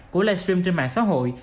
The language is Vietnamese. của live stream trên mạng xã hội